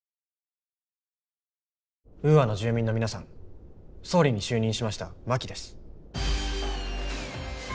ウーアの住民の皆さん総理に就任しました真木です。